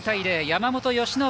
山本由伸